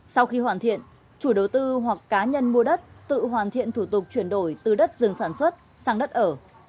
sau khi hoàn thiện chủ đầu tư hoặc cá nhân mua đất tự hoàn thiện thủ tục chuyển đổi từ đất rừng sản xuất sang đất ở